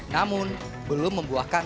namun belum menyebutkan